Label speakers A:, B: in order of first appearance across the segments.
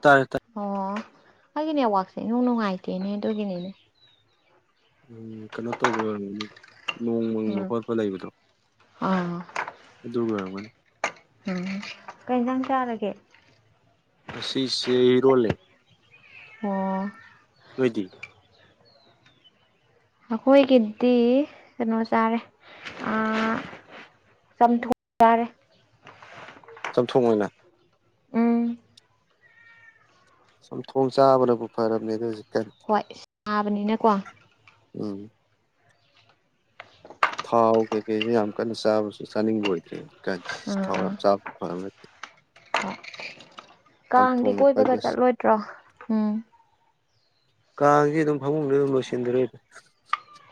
A: ꯇꯥꯔꯦ ꯇꯥꯏ
B: ꯑꯣ ꯑꯩꯒꯤꯅꯦꯋꯥꯛꯁꯦ ꯏꯅꯨꯡ ꯅꯨꯡꯉꯥꯏꯇꯦꯅꯦ ꯑꯗꯨꯒꯤꯅꯦꯅꯦ
A: ꯎꯝ ꯀꯩꯅꯣ ꯇꯧꯕꯩ ꯑꯣꯏꯔꯝꯒꯅꯤ ꯅꯣꯡ ꯃꯪꯕ
B: ꯎꯝ
A: ꯈꯣꯠꯄ ꯂꯩꯕꯗꯣ
B: ꯑꯥ
A: ꯑꯗꯨ ꯑꯣꯏꯔꯝꯒꯅꯤ
B: ꯎꯝ ꯀꯩꯏꯟꯖꯡ ꯆꯥꯔꯒꯦ
A: ꯑꯁꯤꯁꯦ ꯏꯔꯣꯜ ꯂꯩ
B: ꯑꯣ
A: ꯅꯣꯏꯗꯤ
B: ꯑꯩꯈꯣꯏꯒꯤꯗꯤ ꯀꯩꯅꯣ ꯆꯥꯔꯦ ꯑꯥ ꯆꯥꯝꯊꯣꯛ ꯆꯥꯔꯦ
A: ꯆꯝꯊꯣꯡ ꯑꯣꯏꯅ
B: ꯎꯝ
A: ꯆꯝ ꯊꯣꯡ ꯆꯥꯕꯅꯕꯨ ꯐꯔꯝꯅꯦꯗ ꯍꯧꯖꯤꯛ
B: ꯍꯣꯏꯠ ꯁꯥꯕꯅꯤꯅꯀꯣ
A: ꯎꯝ ꯊꯥꯎ ꯀꯩꯀꯩꯁꯦ ꯌꯥꯝ ꯀꯟꯅ ꯆꯥꯕꯁꯨ ꯆꯥꯅꯤꯡꯕ ꯑꯣꯏꯗ꯭ꯔꯦ ꯍꯧꯖꯤꯛ ꯊꯥꯎ ꯌꯥꯝ ꯆꯥꯕꯁꯨ ꯐꯕ ꯅꯠꯇꯦ
B: ꯑꯣ ꯀꯥꯡꯗꯤ
A: ꯆꯝꯊꯣꯡꯅ ꯈ꯭ꯋꯥꯏ
B: ꯀꯣꯏꯕꯒ
A: ꯕꯦꯁ
B: ꯆꯠꯂꯣꯏꯗ꯭ꯔꯣ ꯎꯝ
A: ꯀꯥꯡꯁꯤ ꯑꯗꯨꯝ ꯐꯃꯨꯡꯗ ꯑꯗꯨꯝ ꯂꯣꯏꯁꯤꯟꯗꯣꯔꯦ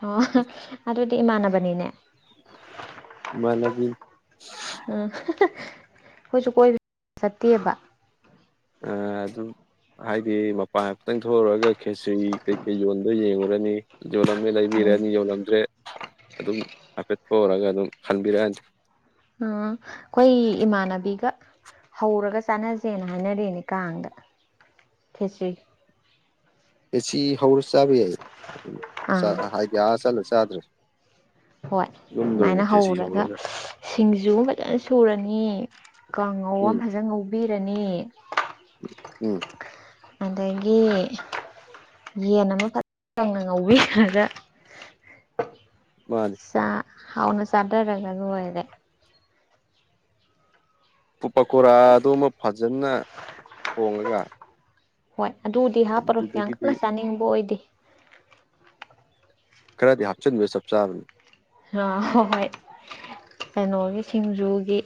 B: ꯑꯣ ꯑꯗꯨꯗꯤ ꯏꯃꯥꯟꯅꯕꯅꯤꯅꯦ
A: ꯏꯃꯥꯟꯅꯕꯤ
B: ꯎꯝ ꯑꯩꯈꯣꯏꯁꯨ ꯀꯣꯏꯕ ꯆꯠꯇꯦꯕ
A: ꯑꯥ ꯑꯗꯨꯝ ꯍꯥꯏꯗꯤ ꯃꯄꯥꯟ ꯍꯥꯏꯐꯇꯪ ꯊꯣꯛꯎꯔꯒ ꯈꯦꯁꯤꯔꯤ ꯀꯩꯀꯩ ꯌꯣꯟ ꯑꯗꯨ ꯌꯦꯡꯉꯨꯔꯅꯤ ꯌꯣꯜꯂꯝꯃꯦ
B: ꯎꯝ
A: ꯂꯩꯕꯤꯔꯅꯤ ꯌꯣꯜꯂꯝꯗ꯭ꯔꯦ ꯑꯗꯨꯝ ꯍꯥꯏꯐꯦꯠ ꯊꯣꯛꯎꯔꯒ ꯑꯗꯨꯝ ꯈꯟꯕꯤꯔꯛꯑꯅꯤ
B: ꯑ ꯑꯩꯈꯣꯏ ꯏꯃꯥꯟꯅꯕꯤꯒ ꯍꯧꯔꯒ ꯆꯥꯅꯁꯦꯅ ꯍꯥꯏꯅꯔꯤꯅꯦ ꯀꯥꯡꯗ ꯈꯦꯆ꯭ꯔꯤ
A: ꯑꯦꯁꯤ ꯍꯧꯔ ꯆꯥꯕ ꯌꯥꯏ ꯆꯥ
B: ꯑꯥ
A: ꯍꯥꯏꯗꯤ ꯑꯥ ꯆꯠꯂ ꯆꯥꯗ꯭ꯔꯁ
B: ꯍꯣꯏ ꯑꯗꯨꯃꯥꯏꯅ ꯍꯧꯔꯒ ꯁꯤꯡꯖꯨ ꯐꯖꯅ ꯁꯨꯔꯅꯤ ꯀꯥꯡꯉꯧ ꯑꯃ
A: ꯎꯝ
B: ꯐꯖꯅ ꯉꯧꯕꯤꯔꯅꯤ
A: ꯎꯝ
B: ꯑꯗꯒꯤ ꯌꯦꯟ ꯑꯃꯐꯠ ꯀꯪꯅ ꯉꯧꯕꯤꯔꯒ
A: ꯃꯥꯅꯤ
B: ꯆꯥ ꯍꯥꯎꯅ ꯆꯥꯗꯔꯒ ꯂꯣꯏꯔꯦ
A: ꯄꯀꯣꯔꯥꯗꯣꯃ ꯐꯖꯅ ꯊꯣꯡꯉꯒ
B: ꯍꯣꯏ ꯑꯗꯨꯗꯤ ꯍꯥꯞꯄꯔꯣꯏ ꯌꯥꯝ
A: ꯑꯗꯨꯗꯒꯤꯗꯤ
B: ꯀꯟꯅ ꯆꯥꯅꯤꯡꯕ ꯑꯣꯏꯗꯦ
A: ꯈꯔꯗꯤ ꯍꯥꯞꯆꯤꯟꯕ ꯆꯞ ꯆꯥꯕꯅꯤ
B: ꯉꯥ ꯍꯣ ꯍꯣꯏ ꯀꯩꯅꯣꯒꯤ ꯁꯤꯡꯖꯨꯒꯤ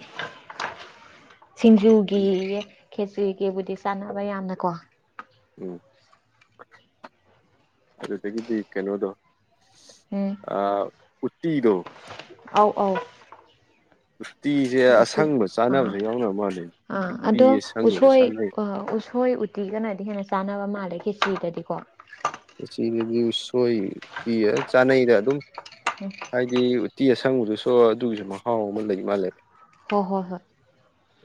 B: ꯁꯤꯡꯖꯨꯒꯤꯌꯦ ꯈꯦꯆꯨꯒꯤꯕꯨꯗꯤ ꯆꯥꯟꯅꯕ ꯌꯥꯝꯅ ꯀꯣ
A: ꯎꯝ ꯑꯗꯨꯗꯒꯤꯗꯤ ꯀꯩꯅꯣꯗꯣ
B: ꯎꯝ
A: ꯑ ꯎꯠꯇꯤꯗꯣ
B: ꯑꯥꯎ ꯑꯥꯎ
A: ꯎꯇꯤꯁꯦ ꯑꯁꯪꯕ ꯆꯥꯟꯅꯕꯁꯨ ꯌꯥꯎꯅ ꯃꯥꯜꯂꯦ
B: ꯑ
A: ꯎꯇꯤ
B: ꯑꯗꯣ
A: ꯑꯁꯪꯕꯁꯨ
B: ꯎꯁꯣꯏ
A: ꯆꯥꯅꯩ
B: ꯑ ꯎ ꯎꯁꯣꯏ ꯎꯇꯤ ꯒꯅꯗꯤ ꯍꯦꯟꯅ ꯆꯥꯅꯕ ꯃꯥꯜꯂꯦ ꯈꯦꯆꯔꯤꯒꯗꯤꯀꯣ꯫
A: ꯁꯤꯗꯗꯤ ꯎꯁꯣꯏ ꯄꯤꯌꯦ ꯆꯥꯅꯩꯗ ꯑꯗꯨꯝ꯫
B: [inaudible]
A: ꯍꯥꯏꯗꯤ ꯎꯠꯇꯤ ꯑꯁꯪꯕꯗꯨꯁꯨ ꯑꯗꯨꯒꯤꯁꯨ ꯃꯍꯥꯎ ꯑꯃ ꯂꯩ ꯃꯥꯜꯂꯦꯕ꯫
B: ꯍꯣ ꯍꯣ ꯍꯣꯏ꯫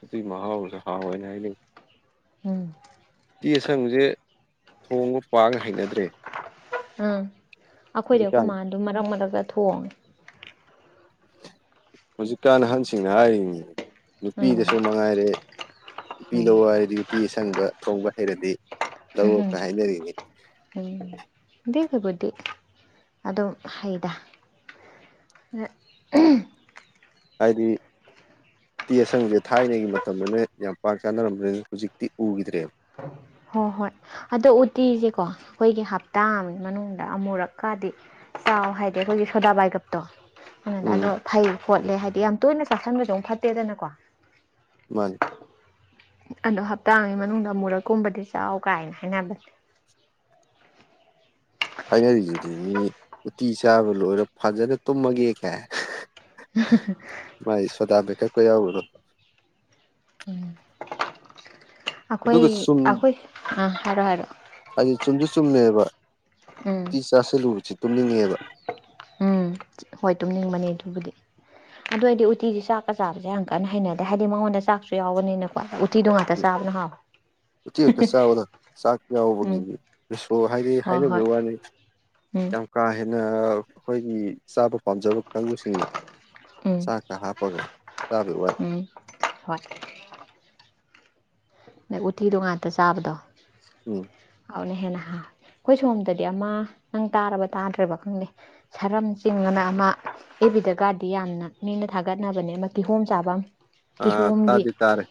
A: ꯑꯗꯨꯏ ꯃꯍꯥꯎꯒꯗꯨ ꯍꯥꯎꯋꯦꯅ ꯍꯥꯏꯅꯩ꯫
B: ꯎꯝ꯫
A: ꯇꯤ ꯑꯁꯪꯕꯁꯦ ꯊꯣꯡꯕ ꯄꯥꯛꯅ ꯍꯩꯅꯗ꯭ꯔꯦ꯫
B: ꯑꯥ ꯑꯩꯈꯣꯏꯗꯤ ꯑꯩꯈꯣꯏ
A: ꯍꯧꯖꯤꯛꯀꯥꯟ
B: ꯃꯥꯗꯣ ꯃꯔꯛ ꯃꯔꯛꯛꯇ ꯊꯣꯡꯉꯦ꯫
A: ꯍꯧꯖꯤꯛꯀꯥꯟ ꯑꯍꯟꯁꯤꯡꯅ ꯍꯥꯏꯔꯤ
B: ꯎꯝ
A: ꯅꯨꯄꯤꯗꯁꯨ ꯃꯉꯥꯏꯔꯦ꯫ ꯅꯨꯄꯤ
B: ꯎꯝ
A: ꯂꯧ ꯍꯥꯏꯔꯗꯤ ꯎꯇꯤ ꯑꯁꯪꯕ ꯊꯣꯡꯕ ꯍꯩꯔꯗꯤ ꯂꯧꯔꯣ ꯀꯥꯏ ꯍꯥꯏꯅꯔꯤꯅꯤ꯫
B: ꯎꯝ꯫ [unintelligible] ꯕꯨꯗꯤ ꯑꯗꯨꯝ ꯍꯩꯗ꯫
A: ꯍꯥꯏꯗꯤ ꯎꯇꯤ ꯑꯁꯪꯕꯁꯦ ꯊꯥꯏꯅꯩꯒꯤ ꯃꯇꯝꯗꯅ ꯌꯥꯝ ꯄꯥꯛ ꯆꯥꯅꯔꯝꯕꯅꯤꯅ ꯍꯧꯖꯤꯛꯇꯤ ꯎꯈꯤꯗ꯭ꯔꯦꯕ꯫
B: ꯍꯣꯏ ꯍꯣꯏ ꯑꯗꯣ ꯎꯇꯤꯁꯦꯀꯣ ꯑꯩꯈꯣꯏꯒꯤ ꯍꯞꯇꯥ ꯑꯃꯒꯤ ꯃꯅꯨꯡꯗ ꯑꯃꯨꯔꯛꯀꯗꯤ ꯆꯥꯎ ꯍꯥꯏꯗꯤ ꯑꯩꯈꯣꯏꯒꯤ ꯁꯣꯗꯕꯥꯏꯒꯞꯇꯣ ꯑꯗꯨꯅ
A: ꯎꯝ
B: ꯑꯗꯣ ꯐꯩ ꯈꯣꯠꯂꯦ ꯍꯥꯏꯗꯤ ꯌꯥꯝ ꯇꯣꯏꯅ ꯆꯥꯥꯁꯟꯕꯁꯨ ꯑꯃꯨꯛ ꯐꯠꯇꯦꯗꯅꯀꯣ꯫
A: ꯃꯥꯅꯤ꯫
B: ꯑꯗꯣ ꯍꯞꯇꯥꯒꯤ ꯃꯅꯨꯡꯗ ꯃꯨꯔꯛꯀꯨꯝꯕꯗꯤ ꯆꯥꯎ ꯀꯥꯏꯅ ꯍꯥꯏꯅꯕꯅꯦ꯫
A: ꯍꯥꯏꯅꯔꯤꯗꯨꯗꯤ ꯃꯤ ꯎꯇꯤ ꯆꯥꯕ ꯂꯣꯏꯔ ꯐꯖꯅ ꯇꯨꯝꯃꯒꯦ ꯀꯥꯏ꯫
B: [unintelligible]
A: ꯃꯥꯏꯖꯦ ꯁꯣꯗꯕꯩꯀꯞꯀ ꯌꯥꯎꯔꯕꯣ꯫
B: ꯑꯩꯈꯣꯏ
A: ꯑꯗꯨꯒ ꯆꯨꯝ
B: ꯑꯩꯈꯣꯏ ꯑꯥ ꯍꯥꯏꯔꯣ ꯍꯥꯏꯔꯣꯛ꯫
A: ꯍꯥꯏꯗꯤ ꯆꯨꯝꯁꯨ ꯆꯨꯝꯃꯦꯕ꯫
B: ꯎꯝ꯫
A: ꯎꯇꯤ ꯆꯥꯥꯁꯜꯂꯨꯨꯕꯁꯤ ꯇꯨꯝꯅꯤꯡꯉꯦꯕ꯫
B: ꯎꯝ ꯍꯣꯏ ꯇꯨꯝꯅꯤꯡꯕꯅꯤ ꯑꯗꯨꯕꯨꯗꯤ꯫ ꯑꯗꯨ ꯑꯩꯗꯣ ꯎꯇꯤꯖꯦ ꯆꯥꯛꯀ ꯆꯥꯕꯁꯦ ꯌꯥꯝ ꯀꯟꯅ ꯍꯩꯅꯗꯦ ꯍꯥꯏꯗꯤ ꯃꯉꯣꯟꯗ ꯆꯥꯛꯁꯨ ꯌꯥꯎꯕꯅꯤꯅꯀꯣ꯫ ꯎꯇꯤꯗꯣ ꯉꯥꯛꯇ ꯆꯥꯕꯅ ꯍꯥꯎꯏ꯫
A: ꯎꯇꯤ ꯈꯛꯇ ꯆꯥꯕꯗ ꯆꯥꯛ
B: ꯎꯝ
A: ꯌꯥꯎꯕꯒꯤꯅꯤ ꯔꯤꯁꯣ ꯍꯥꯏꯗꯤ
B: ꯍꯣꯏ ꯍꯣꯏ
A: ꯍꯥꯏꯅꯕꯒꯤ ꯋꯥꯅꯤ꯫
B: ꯎꯝ꯫
A: ꯌꯥꯝ ꯀꯥ ꯍꯦꯟꯅ ꯑꯩꯈꯣꯏꯒꯤ ꯆꯥꯕ ꯄꯥꯝꯖꯕ ꯀꯥꯡꯕꯨꯁꯤꯡꯅ
B: ꯎꯝ
A: ꯆꯥꯛꯀ ꯍꯥꯞꯄꯒ ꯆꯥꯕꯩ ꯋꯥꯅꯤ꯫
B: ꯎꯝ ꯍꯣꯏ꯫ ꯎꯇꯤꯗꯣ ꯉꯥꯛꯇ ꯆꯥꯕꯗꯣ꯫
A: ꯎꯝ꯫
B: ꯍꯥꯎꯅ ꯍꯦꯟꯅ ꯍꯥꯎ ꯑꯩꯈꯣꯏ ꯁꯣꯝꯗꯗꯤ ꯑꯃ ꯅꯪ ꯇꯥꯔꯕ ꯇꯥꯗ꯭ꯔꯦꯕ ꯈꯪꯗꯦ꯫ ꯁꯥꯔꯝ ꯆꯤꯡꯉꯥꯅ ꯑꯃ ꯑꯦꯐꯕꯤꯗꯒꯗꯤ ꯌꯥꯝꯅ ꯃꯤꯅ ꯊꯥꯒꯠꯅꯕꯅꯦ ꯑꯃꯥ ꯀꯤꯍꯣꯝ ꯆꯥꯕꯝ꯫
A: ꯑ
B: ꯀꯤꯍꯣꯝꯒꯤ
A: ꯇꯥꯗꯤ ꯇꯥꯔꯦ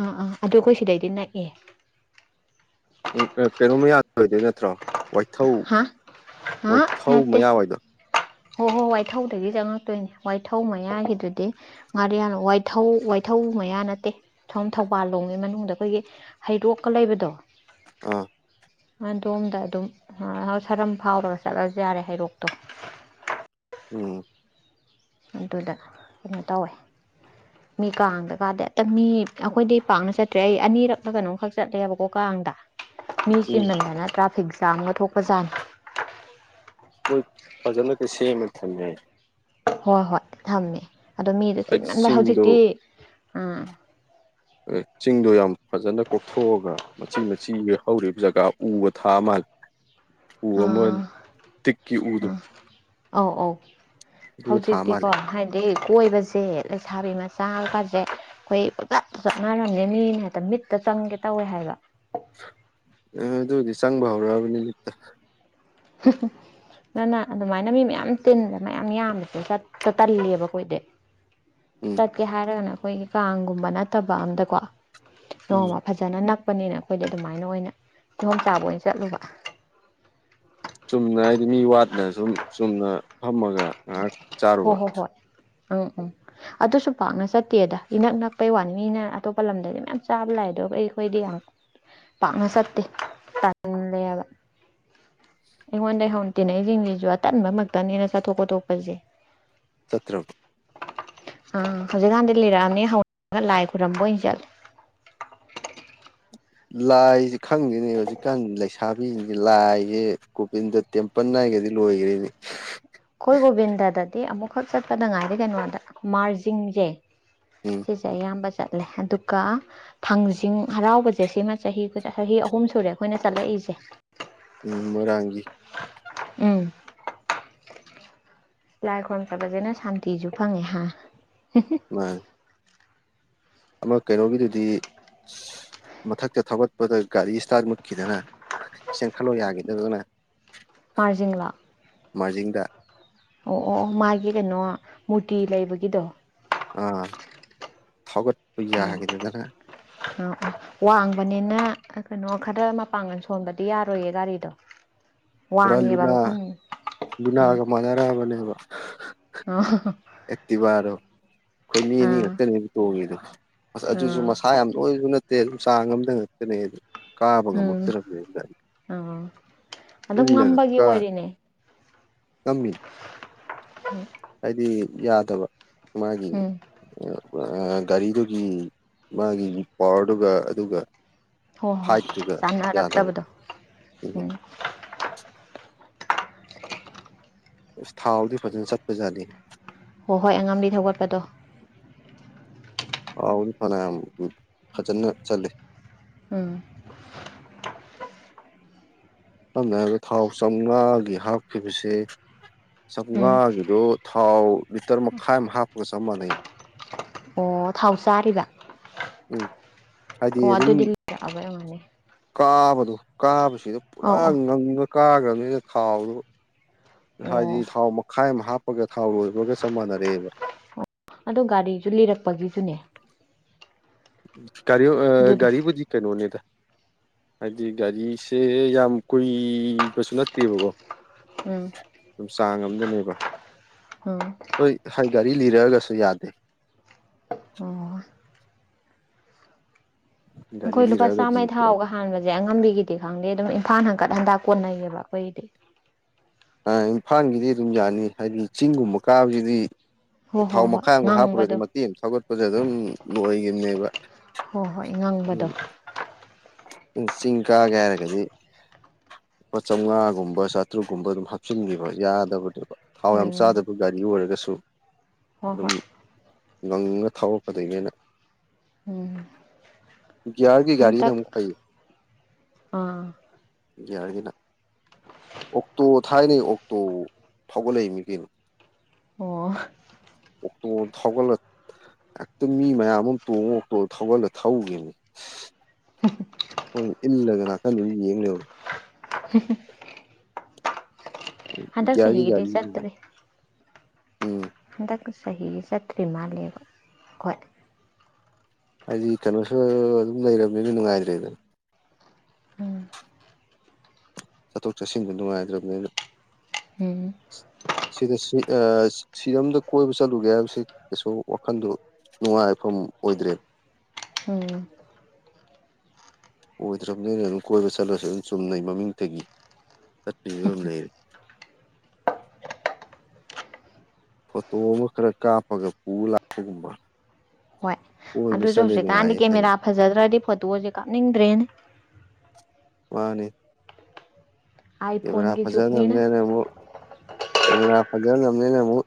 B: ꯑꯥ ꯑꯥ ꯑꯗꯨ ꯑꯩꯈꯣꯏ ꯁꯤꯗꯩꯗꯤ ꯅꯛꯑꯦ꯫
A: ꯎꯝ ꯑꯥ ꯀꯩꯅꯣꯝ ꯃꯌꯥꯗ ꯑꯣꯏꯗꯣꯏ ꯅꯠꯇ꯭ꯔꯣ ꯋꯥꯏꯊꯧ
B: ꯍꯥ ꯍꯥ
A: ꯋꯥꯏꯊꯧ
B: ꯅꯠꯇꯦ
A: ꯃꯌꯥ ꯑꯣꯏꯗꯣ
B: ꯍꯣ ꯍꯣ ꯋꯥꯏꯊꯧꯗꯒꯤ ꯆꯪꯉꯛꯇꯣꯏꯅꯦ ꯋꯥꯏꯊꯧ ꯃꯌꯥꯒꯤꯗꯨꯗꯤ ꯉꯥꯔꯤꯌꯥꯟ ꯋꯥꯏꯊꯧ ꯋꯥꯏꯊꯧ ꯃꯌꯥ ꯅꯠꯇꯦ ꯁꯣꯝ ꯊꯧꯕꯥꯜ ꯂꯣꯝꯒꯤ ꯃꯅꯨꯡꯗ ꯑꯈꯣꯏꯒꯤ ꯍꯩꯔꯣꯛꯀ ꯂꯩꯕꯗꯣ
A: ꯑꯥ
B: ꯑꯗꯣꯝꯗ ꯑꯗꯨꯝ ꯁꯔꯝ ꯐꯥꯎꯔꯒ ꯆꯠꯂꯖꯨ ꯌꯥꯔꯦ ꯍꯩꯔꯣꯛꯇꯣ
A: ꯎꯝ
B: ꯑꯗꯨꯗ ꯀꯩꯅꯣ ꯇꯧꯋꯦ
A: [inaudible]
B: ꯃꯤ ꯀꯥꯡꯗ ꯀꯥꯗꯤ ꯇ ꯃꯤ ꯑꯈꯣꯏꯗꯤ ꯄꯥꯛꯅ ꯆꯠꯇ꯭ꯔꯦ ꯑꯩ ꯑꯅꯤꯔꯛꯂ ꯀꯩꯅꯣꯝꯈꯛ ꯆꯠꯂꯦꯕꯀꯣ ꯀꯥꯡꯗ ꯃꯤ
A: ꯎꯝ
B: ꯆꯤꯟꯃꯟꯗꯅ ꯇ꯭ꯔꯥꯐꯤꯛ ꯖꯥꯝꯒ ꯊꯣꯛꯄꯖꯥꯠꯅꯤ
A: ꯃꯣꯏ ꯐꯖꯅꯒ ꯁꯦꯝꯃ ꯊꯝꯃꯦ ꯍꯥꯏ
B: ꯍꯣ ꯍꯣꯏ ꯊꯝꯃꯦ ꯑꯗꯣ ꯃꯤꯗꯣ
A: ꯍꯥꯏꯗꯤ
B: ꯆꯤꯟꯃꯟꯕꯩ
A: ꯆꯤꯡꯗꯣ
B: ꯍꯧꯖꯤꯛꯇꯤ ꯎꯝ
A: ꯆꯤꯡꯗꯣ ꯌꯥꯝ ꯐꯖꯅ ꯀꯣꯛꯊꯣꯛꯑꯒ ꯃꯆꯤ ꯃꯆꯤ ꯍꯧꯔꯤꯕ ꯖꯒꯥ ꯎꯒ ꯊꯥ ꯃꯥꯂꯦ ꯎ ꯑꯃ
B: ꯑꯥ
A: ꯇꯤꯛꯀꯤ ꯎꯗꯣ
B: ꯑꯥ ꯑꯧ ꯑꯧ
A: ꯑꯗꯨꯒ ꯊꯥ
B: ꯍꯧꯖꯤꯛꯇꯤꯀꯣ
A: ꯃꯥꯜꯂꯦ
B: ꯍꯥꯏ ꯗꯩ ꯀꯣꯏꯕꯁꯦ ꯂꯩꯁꯥꯕꯤ ꯃꯆꯥꯒꯥꯖꯦ ꯈꯣꯏ ꯄꯡꯆꯠꯇ ꯆꯠꯅꯔꯝꯃꯦ ꯃꯤꯅ ꯃꯤꯠꯇ ꯆꯪꯒꯦ ꯇꯧꯋꯦ ꯍꯥꯏꯕ
A: ꯑꯗꯨꯗꯤ ꯆꯪꯕ ꯍꯧꯔꯕꯅꯦ ꯃꯤꯠꯇ
B: [unintelligible] ꯅꯪꯅ ꯑꯗꯨꯃꯥꯏꯅ ꯃꯤ ꯃꯌꯥꯝ ꯇꯤꯟꯕ ꯃꯌꯥꯝ ꯌꯥꯝꯕꯁꯦ ꯆꯠꯄ ꯇꯜꯂꯦꯕ ꯑꯈꯣꯏꯗꯤ
A: ꯎꯝ
B: ꯆꯠꯀꯦ ꯍꯥꯏꯔꯒꯅ ꯑꯈꯣꯏꯒꯤ ꯀꯥꯡꯒꯨꯝꯕ ꯅꯠꯇꯕ ꯑꯝꯗꯀꯣ
A: ꯎꯝ
B: ꯅꯣꯡꯃ ꯐꯖꯅ ꯅꯛꯄꯅꯤꯅ ꯑꯈꯣꯏꯗꯤ ꯑꯗꯨꯃꯥꯏꯅ ꯑꯣꯏꯅ ꯀꯤꯍꯣꯝ ꯆꯥꯕ ꯑꯣꯏꯅ ꯆꯠꯂꯨꯕ
A: ꯆꯨꯝꯅ ꯍꯥꯏꯗꯤ ꯃꯤ ꯋꯥꯠꯅ ꯁꯨꯝ ꯆꯨꯝꯅ ꯐꯝꯃꯒ ꯉꯥꯏꯍꯥꯛ
B: ꯍꯣ
A: ꯆꯥꯔꯨꯕ
B: ꯍꯣ ꯍꯣꯏ ꯑ ꯎꯝ ꯑꯗꯨꯁꯨ ꯄꯥꯛꯅ ꯆꯠꯇꯦꯗ ꯏꯅꯛ ꯅꯛꯄꯩ ꯋꯥꯅꯤ ꯃꯤꯅ ꯑꯇꯣꯞꯄ ꯂꯝꯗꯗꯤ ꯃꯌꯥꯝ ꯆꯥꯕ ꯂꯥꯑꯦ ꯑꯗꯨ ꯑꯩꯈꯣꯏꯗꯤ ꯌꯥꯝ ꯄꯥꯛꯅ ꯆꯠꯇꯦ ꯇꯜꯂꯦꯕ ꯑꯩꯉꯣꯟꯗꯩ ꯍꯧꯅ ꯇꯤꯟꯅꯩꯖꯤꯡꯖꯤꯖꯨ ꯑꯇꯟꯕꯃꯛꯇꯅꯤꯅ ꯆꯊꯣꯛ ꯈꯣꯊꯣꯛꯄꯖꯦ
A: ꯆꯠꯇ꯭ꯔ
B: ꯑ ꯍꯧꯖꯤꯛꯀꯥꯟꯗꯤ ꯂꯤꯔꯛꯑꯝꯅꯤ ꯍꯧꯔꯒ ꯂꯥꯏ ꯈꯣꯏꯔꯝꯕ ꯑꯣꯏꯅ ꯆꯠꯂꯦ
A: ꯂꯥꯏꯖꯦ ꯈꯪꯗꯦꯅꯦ ꯍꯧꯖꯤꯛꯀꯥꯟ ꯂꯩꯁꯥꯕꯤꯖꯤꯡꯖꯦ ꯂꯥꯏꯖꯦ ꯒꯣꯕꯤꯟꯗ ꯇꯦꯝꯄꯟ ꯍꯥꯏꯒꯗꯤ ꯂꯣꯏꯒ꯭ꯔꯦꯅꯦ
B: ꯈꯣꯏ ꯒꯣꯕꯤꯟꯗꯗꯗꯤ ꯑꯃꯨꯛꯈꯛ ꯆꯠꯄꯗ ꯉꯥꯏꯗꯤ ꯀꯩꯅꯣꯗ ꯃꯥꯔꯖꯤꯡꯖꯦ
A: ꯎꯝ
B: ꯁꯤꯁꯦ ꯑꯌꯥꯝꯕ ꯆꯠꯂꯦ ꯑꯗꯨꯒ ꯊꯥꯡꯖꯤꯡ ꯍꯔꯥꯎꯕꯖꯦ ꯁꯤꯃ ꯆꯍꯤ ꯆꯍꯤ ꯑꯍꯨꯝ ꯁꯨꯔꯦ ꯑꯈꯣꯏꯅ ꯆꯠꯂꯛꯏꯖꯦ
A: ꯎꯝ ꯃꯣꯔꯥꯡꯒꯤ
B: ꯎꯝ ꯂꯥꯏ ꯈꯣꯔꯝ ꯆꯠꯄꯖꯤꯅ ꯁꯥꯟꯇꯤꯖꯨ ꯐꯪꯉꯦ ꯍꯥ
A: ꯃꯥꯟ ꯑꯃ ꯀꯩꯅꯣꯒꯤꯗꯨꯗꯤ ꯃꯊꯛꯇ ꯊꯧꯒꯠꯄꯗ ꯒꯥꯔꯤ ꯏꯁꯇꯥꯔ꯭ꯠ ꯃꯨꯠꯈꯤꯗꯅ ꯆꯦꯡꯈꯠꯂꯣ ꯌꯥꯒꯤꯗꯗꯅ
B: ꯃꯥꯔꯖꯤꯡꯂꯣ
A: ꯃꯥꯔꯖꯤꯡꯗ
B: ꯑꯣ ꯑꯣ ꯑꯣ ꯃꯥꯒꯤ ꯀꯩꯅꯣ ꯃꯨꯔꯇꯤ ꯂꯩꯕꯒꯤꯗꯣ
A: ꯑ ꯊꯧꯒꯠꯄ ꯌꯥꯒꯤꯗꯗꯅ
B: ꯑ ꯋꯥꯡꯕꯅꯤꯅ ꯀꯩꯅꯣ ꯈꯔ ꯃꯄꯥꯡꯒꯜ ꯁꯣꯟꯕꯗꯤ ꯌꯥꯔꯣꯏꯌꯦ ꯒꯥꯔꯤꯗꯣ
A: ꯄꯨꯔꯥ
B: ꯋꯥꯡꯉꯦꯕ
A: ꯂꯨꯅꯥ
B: ꯃꯐꯝꯗꯨ ꯑꯥ
A: ꯂꯨꯅꯥꯒ ꯃꯥꯟꯅꯔꯑꯕꯅꯦꯕ
B: [unintelligible]
A: ꯑꯦꯛꯇꯤꯕꯔꯣ ꯈꯣꯢ ꯃꯤ ꯑꯅꯤ ꯈꯛꯇꯅꯤ ꯇꯣꯡꯉꯤꯗꯣ ꯑꯁ
B: ꯑꯥ
A: ꯑꯗꯨꯖꯨ
B: ꯑꯥ
A: ꯃꯁꯥ ꯌꯥꯝ ꯅꯣꯏꯕ ꯅꯠꯇꯦ ꯑꯗꯨ ꯆꯥꯡ ꯑꯝꯗ ꯉꯛꯇꯅꯦ ꯀꯥꯕ
B: ꯎꯝ
A: ꯉꯝꯃꯛꯇ꯭ꯔꯥꯃꯦꯅ
B: ꯑꯣ ꯑꯗꯨꯝ ꯉꯝꯕꯒꯤ ꯑꯣꯏꯔꯤꯅꯦ
A: ꯉꯝꯃꯤ
B: ꯎꯝ
A: ꯍꯥꯏꯗꯤ ꯌꯥꯗꯕ ꯃꯥꯒꯤ
B: ꯎꯝ
A: ꯑ ꯑ ꯒꯥꯔꯤꯗꯨꯒꯤ ꯃꯥꯒꯤ ꯄꯋꯥꯔꯗꯨꯒ ꯑꯗꯨꯒ
B: ꯍꯣꯏ ꯍꯣꯏ
A: ꯍꯥꯏꯠꯇꯨꯒ ꯌꯥꯗꯕ
B: ꯆꯥꯟꯅꯔꯛꯇꯕꯗꯣ
A: ꯎꯝ
B: [unintelligible]
A: ꯑꯁ ꯊꯥꯎꯗꯤ ꯐꯖꯅ ꯆꯠꯄꯖꯥꯠꯅꯤ
B: ꯍꯣ ꯍꯣꯏ ꯑꯉꯝꯕꯤ ꯊꯧꯒꯠꯄꯗꯣ
A: ꯊꯥꯎꯗꯤ ꯐꯅꯌꯥꯝ ꯐꯖꯅ ꯆꯠꯂꯤ
B: ꯎꯝ
A: ꯁꯝꯅ ꯍꯥꯏꯕꯗ ꯊꯥꯎ ꯆꯧꯉꯥꯒꯤ ꯍꯥꯞꯈꯤꯕꯁꯦ
B: ꯎꯝ
A: ꯆꯧꯉꯥꯒꯤꯗꯣ ꯊꯥꯎ ꯂꯤꯇꯔ ꯃꯈꯥꯏ ꯑꯃ ꯍꯥꯞꯄꯒ ꯆꯞ ꯃꯥꯟꯅꯩ
B: ꯑꯣ ꯊꯥꯎ ꯆꯥꯔꯤꯕ
A: ꯎꯝ ꯍꯥꯏꯗꯤ
B: ꯑꯣ
A: ꯑꯗꯨꯝ
B: ꯑꯗꯨꯗꯤ ꯂꯩꯔꯛꯑꯕ ꯑꯣꯏꯔꯝꯒꯅꯤ
A: ꯀꯥꯕꯗꯣ ꯀꯥꯕꯁꯤꯗ ꯄꯨꯔꯥ
B: ꯑꯧ ꯑꯣ
A: ꯉꯪꯉ ꯀꯥꯒ꯭ꯔꯅꯤꯅ ꯊꯥꯎꯗꯨ ꯍꯥꯏꯗꯤ
B: ꯑꯣ
A: ꯊꯥꯎ ꯃꯈꯥꯏ ꯑꯃ ꯍꯥꯞꯄꯒ ꯊꯥꯎ ꯂꯣꯏꯕꯒ ꯆꯞ ꯃꯥꯟꯅꯔꯦꯕ
B: ꯑꯗꯨ ꯒꯥꯔꯤꯖꯨ ꯂꯤꯔꯛꯄꯒꯤꯖꯨꯅꯦ
A: ꯒꯔꯤ ꯑ
B: ꯑꯗꯨꯗꯣ
A: ꯒꯥꯔꯤꯕꯨꯗꯤ ꯀꯩꯅꯣꯅꯤꯗ ꯍꯥꯏꯗꯤ ꯒꯥꯔꯤꯁꯦ ꯌꯥꯝ ꯀꯨꯏꯕꯁꯨ ꯅꯠꯇꯦꯕꯀꯣ
B: ꯎꯝ
A: ꯗꯨꯝ ꯆꯥꯡ ꯑꯃꯗꯅꯦꯕ
B: ꯎꯝ
A: ꯍꯣꯏ ꯈ ꯒꯥꯔꯤ ꯂꯤꯔꯛꯑꯒꯁꯨ ꯌꯥꯗꯦ
B: ꯑꯣ
A: ꯒꯥꯔꯤ
B: ꯑꯩꯈꯣꯏ ꯂꯨꯄꯥ
A: ꯂꯤꯔꯛꯑꯒꯗꯤ
B: ꯆꯥꯝꯃꯩ
A: ꯄꯨꯔꯥ
B: ꯊꯥꯎꯒ ꯍꯥꯟꯕꯖꯦ ꯑꯉꯝꯕꯤꯒꯤꯗꯤ ꯈꯪꯗꯦ ꯗꯨꯝ ꯏꯝꯐꯥꯟ ꯍꯟꯒꯠ ꯍꯟꯗ ꯀꯣꯟꯅꯩꯌꯦꯕ ꯑꯩꯈꯣꯏꯒꯤꯗꯤ
A: ꯑ ꯏꯝꯐꯥꯟꯒꯤꯗꯤ ꯗꯨꯝ ꯌꯥꯅꯤ ꯍꯥꯏꯗꯤ ꯆꯤꯡꯒꯨꯝꯕ ꯀꯥꯕꯖꯤꯗꯤ
B: ꯍꯣꯏ
A: ꯊꯥꯎ
B: ꯍꯣꯏ ꯍꯣꯏ
A: ꯃꯈꯥꯏ ꯑꯃꯒ ꯍꯥꯞꯄꯨꯔꯗꯤ
B: ꯉꯪꯕꯗꯣ
A: ꯃꯇꯦꯛ ꯑꯃ ꯊꯧꯒꯠꯄꯗ ꯑꯗꯨꯝ ꯂꯣꯏꯈꯤꯕꯅꯦꯕ
B: ꯍꯣꯏ ꯍꯣꯏ ꯉꯪꯕꯗꯣ
A: ꯆꯤꯡ ꯀꯥꯒꯦ ꯍꯥꯏꯔꯒꯗꯤ ꯂꯨꯄꯥ ꯆꯧꯃꯉꯥꯒꯨꯝꯕ ꯆꯥꯇ꯭ꯔꯨꯛꯀꯨꯝꯕ ꯑꯗꯨꯝ ꯍꯥꯞꯆꯤꯟꯈꯤꯕ ꯌꯥꯗꯕꯅꯦꯕ ꯊꯥꯎ ꯌꯥꯝ
B: ꯎꯝ
A: ꯆꯥꯗꯕ ꯒꯥꯔꯤ ꯑꯣꯏꯔꯒꯁꯨ
B: ꯍꯣꯏ
A: ꯑꯗꯨꯝ
B: ꯍꯣꯏ
A: ꯉꯪꯉ ꯊꯥꯎꯔꯛꯄꯗꯣꯏꯅꯤꯅ
B: ꯎꯝ
A: ꯒꯤꯌꯔꯒꯤ ꯒꯥꯔꯤꯅ
B: ꯍꯟꯇꯛ
A: ꯑꯃꯨꯛ ꯐꯩ
B: ꯑꯥ
A: ꯒꯤꯌꯔꯒꯤꯅ ꯑꯣꯛꯇꯣ ꯊꯥꯏꯅꯩ ꯑꯣꯛꯇꯣ ꯊꯧꯒꯠꯂꯛꯃꯤ ꯀꯩꯅꯣ
B: ꯑꯣ
A: ꯑꯣꯛꯇꯣ ꯊꯧꯒꯠꯂ ꯍꯦꯛꯇ ꯃꯤ ꯃꯌꯥꯝ ꯑꯃ ꯇꯣꯡꯉ ꯑꯣꯛꯇꯣ ꯊꯧꯒꯜꯂ ꯊꯧꯈꯤꯕꯅꯤ ꯑꯩꯈꯣꯏꯅ ꯏꯜꯂꯒ ꯅꯥꯀꯟꯗ ꯌꯦꯡ ꯂꯩꯍꯧꯔꯦ
B: ꯍꯟꯗꯛ
A: ꯒꯤꯌꯔꯒꯤ
B: ꯆꯍꯤꯒꯤꯗꯤ
A: ꯒꯥꯔꯤꯅꯤꯗ
B: ꯆꯠꯇ꯭ꯔꯤ
A: ꯎꯝ
B: ꯍꯟꯗꯛ ꯆꯍꯤꯒꯤ ꯆꯠꯇ꯭ꯔꯤ ꯃꯥꯜꯂꯦꯕ ꯍꯣꯏ
A: ꯍꯥꯏꯗꯤ ꯀꯩꯅꯣꯁꯨ ꯑꯗꯨꯝ ꯂꯩꯔꯕꯅꯤꯅ ꯅꯨꯡꯉꯥꯏꯇ꯭ꯔꯦꯗꯅ
B: ꯎꯝ
A: ꯆꯠꯊꯣꯛ ꯆꯠꯁꯤꯟꯗ ꯅꯨꯡꯉꯥꯏꯇ꯭ꯔꯕꯅꯤꯅ
B: ꯎꯝ
A: ꯁꯤꯗ ꯁꯤ ꯑꯥ ꯁꯤꯔꯝꯗ ꯀꯣꯏꯕ ꯆꯠꯂꯨꯒꯦ ꯍꯥꯏꯕꯁꯤ ꯀꯩꯁꯨ ꯋꯥꯈꯟꯗ ꯅꯨꯡꯉꯥꯏꯐꯝ ꯑꯣꯏꯗ꯭ꯔꯦ
B: ꯎꯝ
A: ꯑꯣꯏꯗ꯭ꯔꯕꯅꯤꯅ ꯑꯗꯨꯝ ꯀꯣꯏꯕ ꯆꯠꯂꯁꯨ ꯑꯗꯨꯝ ꯆꯨꯝꯅꯩ ꯃꯃꯤꯡꯇꯒꯤ ꯆꯠꯄꯩ ꯐꯤꯕꯝ ꯂꯩꯔꯦ꯫ ꯐꯣꯇꯣ ꯑꯃ ꯈꯔ ꯀꯥꯞꯄꯒ ꯄꯨ ꯂꯥꯛꯄꯒꯨꯝꯕ ꯀꯣꯏꯕ
B: ꯑꯗꯨꯖꯨ
A: ꯆꯠꯂꯦ
B: ꯍꯧꯖꯤꯛꯀꯥꯟꯗꯤ
A: ꯅꯨꯡꯉꯥꯏꯌꯦ ꯈꯜꯂꯤ
B: ꯀꯦꯃꯦꯔꯥ ꯐꯖꯗ꯭ꯔꯗꯤ ꯐꯣꯇꯣꯖꯦ ꯀꯥꯞꯅꯤꯡꯗ꯭ꯔꯦꯅꯦ ꯫
A: ꯃꯥꯅꯤ
B: ꯑꯥꯏ
A: ꯀꯦꯃꯦꯔꯥ
B: ꯐꯣꯟꯒꯤ ꯖꯨꯛꯅꯤꯅ
A: ꯐꯖꯅꯕꯅꯦꯅ ꯑꯃꯨꯛ ꯀꯦꯃꯦꯔꯥ ꯐꯖꯅꯕꯅꯦꯅ ꯑꯃꯨꯛ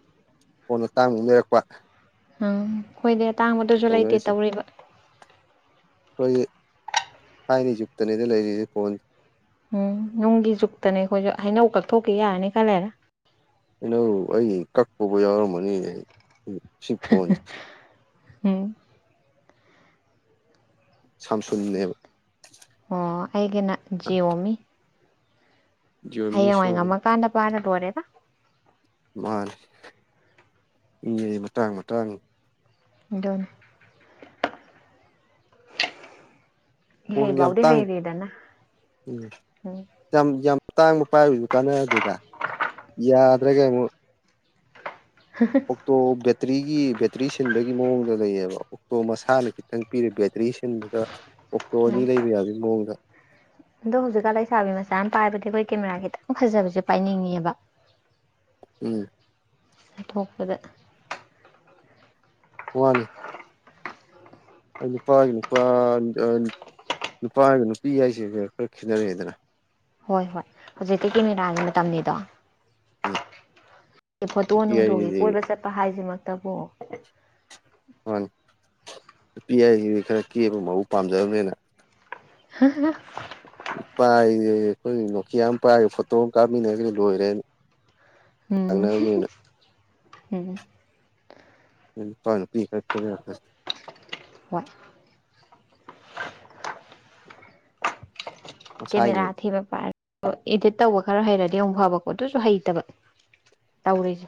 A: ꯐꯣꯟꯗ ꯑꯇꯥꯡꯕ ꯂꯩꯔꯛꯄ
B: ꯎꯝ ꯈꯣꯏꯗꯤ ꯑꯇꯥꯡꯕꯗꯨꯖꯨ ꯂꯩꯇꯦ ꯇꯧꯔꯤꯕ
A: ꯈꯣꯏꯗꯤ ꯊꯥꯏꯅꯩ ꯖꯨꯛꯇꯅꯤꯗ ꯂꯩꯔꯤꯖꯦ ꯐꯣꯟ
B: ꯎꯝ ꯅꯨꯡꯒꯤ ꯖꯨꯛꯇꯅꯦ ꯑꯩꯈꯣꯏꯖꯨ ꯍꯩꯅꯧ ꯀꯛꯊꯣꯛꯈꯤ ꯌꯥꯔꯅꯤ ꯈ ꯂꯩꯔ
A: ꯀꯩꯅꯧ ꯑꯩ ꯀꯛꯄꯕꯨ ꯌꯥꯎꯔꯝꯃꯅꯤ ꯑꯩ ꯁꯤ ꯐꯣꯟꯁꯦ
B: ꯎꯝ
A: ꯁꯥꯝꯁꯨꯡꯅꯦꯕ
B: ꯑꯣ ꯑꯩꯒꯤꯅ ꯖꯤꯌꯣꯃꯤ
A: ꯖꯤꯑꯣꯃꯤ
B: ꯍꯌꯦꯡꯋꯥꯏ
A: ꯁꯣꯏ
B: ꯉꯝꯃꯀꯥꯟꯗ ꯄꯥꯏꯔ ꯂꯣꯏꯔꯦꯗ ꯫
A: ꯃꯥꯅꯤ ꯃꯤ ꯑꯖꯤ ꯃꯇꯥꯡ ꯃꯇꯥꯡꯅꯤ꯫
B: ꯗꯨꯅꯤ
A: ꯐꯣꯟꯒ ꯌꯥꯝ
B: ꯏꯍꯩꯕꯥꯎꯗꯤ
A: ꯇꯥꯡ
B: ꯍꯩꯔꯦꯗꯅ
A: ꯎꯝ
B: ꯎꯝ
A: ꯌꯥꯝ ꯌꯥꯝ ꯇꯥꯡꯕ ꯄꯥꯏꯕꯖꯨ ꯀꯥꯟꯅꯗꯦꯗ ꯌꯥꯗ꯭ꯔꯒ ꯑꯃꯨꯛ
B: [unintelligible]
A: ꯇꯣ ꯕꯦꯇ꯭ꯔꯤꯒꯤ ꯕꯦꯇ꯭ꯔꯤ ꯁꯤꯟꯕꯒꯤ ꯃꯑꯣꯡꯗ ꯂꯩꯌꯦꯕ ꯇꯣ ꯃꯁꯥꯅ ꯈꯤꯇꯪ ꯄꯤꯔꯦ ꯕꯦꯇ꯭ꯔꯤ ꯁꯤꯟꯕꯒ ꯑꯣꯛꯇꯣ ꯑꯅꯤ
B: ꯎꯝ
A: ꯂꯩꯕ ꯌꯥꯕꯒꯤ ꯃꯑꯣꯡꯗ
B: ꯑꯗꯣ ꯍꯧꯖꯤꯛꯀꯥꯟ ꯂꯩꯁꯥꯕꯤ ꯃꯆꯥꯅ ꯄꯥꯏꯕꯗꯤ ꯑꯈꯣꯏ ꯀꯦꯃꯦꯔꯥ ꯈꯤꯇꯪ ꯐꯖꯕꯁꯦ ꯄꯥꯏꯅꯤꯡꯉꯦꯕ꯫
A: ꯎꯝ
B: ꯆꯠꯊꯣꯛꯄꯗ
A: ꯋꯥꯅꯤ ꯑꯩ ꯅꯨꯄꯥꯒꯤ ꯅꯨꯄꯥ ꯑ ꯅꯨꯄꯥꯒ ꯅꯨꯄꯤ ꯍꯥꯏꯁꯦꯒ ꯈꯔ ꯈꯦꯠꯅꯔꯑꯦꯗꯅ
B: ꯍꯣꯏ ꯍꯣꯏ ꯍꯧꯖꯤꯛꯇꯤ ꯀꯦꯃꯦꯔꯥꯒꯤ ꯃꯇꯝꯅꯤꯗꯣ
A: ꯎꯝ
B: ꯐꯣꯇꯣ
A: ꯅꯨꯄꯤ
B: ꯅꯨꯡꯗꯣꯒꯤ
A: ꯍꯥꯏꯁꯤꯗꯤ
B: ꯀꯣꯏꯕ ꯆꯠꯄ ꯍꯥꯏꯖꯤꯃꯛꯇꯕꯨ
A: ꯃꯥꯅꯤ ꯅꯨꯄꯤ ꯍꯥꯏꯁꯤꯗꯤ ꯈꯔ ꯀꯦꯕ ꯃꯧꯕ ꯄꯥꯝꯖꯕꯅꯤꯅ
B: [unintelligible]
A: ꯄꯥꯏ ꯑꯩꯈꯣꯏ ꯅꯣꯀꯤꯌꯥ ꯑꯃ ꯄꯥꯏ ꯐꯣꯇꯣ ꯑꯃ ꯀꯥꯞꯃꯤꯟꯅꯔꯒ ꯂꯣꯏꯔꯦ
B: ꯎꯝ
A: ꯂꯥꯛꯅꯕꯅꯤꯅ
B: ꯎꯝ
A: ꯎꯝ ꯅꯨꯄꯥ ꯅꯨꯄꯤ ꯈꯔ ꯈꯦꯠꯅꯔꯛꯀꯅꯤ
B: ꯍꯣꯏ ꯀꯦꯃꯦꯔꯥ
A: ꯃꯁꯥꯏꯅꯦ
B: ꯑꯊꯤꯕ ꯄꯥꯏ ꯏꯗꯤꯠ ꯇꯧꯕ ꯈꯔ ꯍꯩꯔꯗꯤ ꯑꯃꯨꯛ ꯐꯕꯀꯣ ꯑꯗꯨꯁꯨ ꯍꯩꯇꯕ ꯇꯧꯔꯤꯖ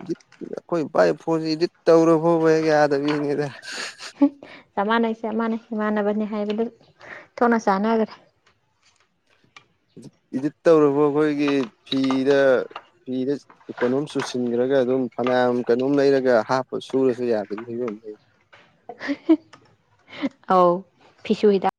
A: ꯑꯈꯣꯏ ꯄꯥꯏ ꯐꯣꯟꯖꯤꯗꯤ ꯇꯧꯔ ꯐꯥꯎꯕ ꯍꯦꯛ ꯌꯥꯗꯕꯤꯅꯤꯗ꯫
B: ꯆꯞ ꯃꯥꯟꯅꯩ ꯆꯞ ꯃꯥꯟꯅꯩ ꯏꯃꯥꯟꯅꯕꯅꯤ ꯍꯥꯏꯕꯗꯨ ꯊꯣꯛꯅ ꯆꯥꯟꯅꯒ꯭ꯔꯦ꯫
A: ꯏꯗꯤꯠ ꯇꯧꯔꯕ ꯑꯈꯣꯏꯒꯤ ꯐꯤꯗ ꯐꯤꯗ ꯀꯩꯅꯣꯝ ꯆꯨꯁꯤꯟꯒ꯭ꯔꯒ ꯑꯗꯨꯝ ꯐꯅꯌꯥꯝ ꯀꯩꯅꯣꯝ ꯂꯩꯔꯒ ꯍꯥꯞꯄ ꯁꯨꯔꯁꯨ ꯌꯥꯗꯕꯩ ꯐꯤꯕꯝ ꯂꯩ꯫
B: [unintelligible] ꯑꯧ ꯐꯤꯁꯨ ꯍꯤꯗ